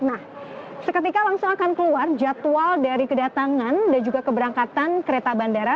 nah seketika langsung akan keluar jadwal dari kedatangan dan juga keberangkatan kereta bandara